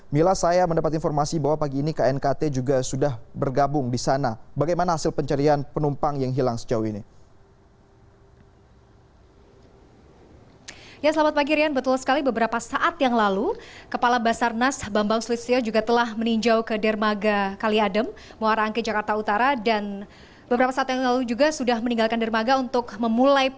mila saya mendapat informasi bahwa pagi ini knkt juga sudah bergabung di sana bagaimana hasil pencarian penumpang yang hilang sejauh ini